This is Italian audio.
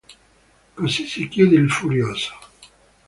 Così si chiude il "Furioso".